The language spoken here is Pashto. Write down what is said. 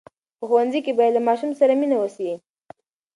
په ښوونځي کې باید له ماشوم سره مینه وسي.